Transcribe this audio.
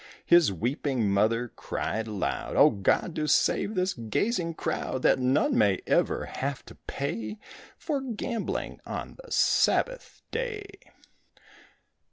His weeping mother cried aloud, "O God, do save this gazing crowd, That none may ever have to pay For gambling on the Sabbath day."